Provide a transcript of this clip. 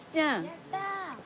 やったー！